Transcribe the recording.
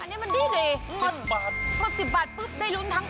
อันนี้มันดีเลยเพราะ๑๐บาทได้รุ้นทั้งมอเตอร์ไซค์ได้รุ้นที่กล่องมือถุงมาก